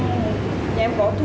em cũng không biết